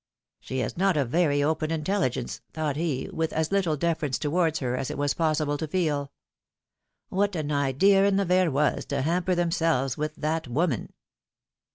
^^She has not a very open intelligence,^' thought he, with as little deference towards her as it was possible to feel. ^^What an idea in the Verroys to hamper them selves with that woman